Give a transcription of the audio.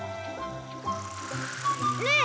ねえ！